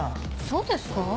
そうですか？